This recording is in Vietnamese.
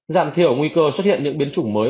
giảm thiểu nguy cơ xuất hiện những biến chủng mới